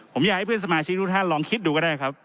ผมอยากให้เพื่อนสมาชิกทุกท่านลองคิดดูก็ได้ครับ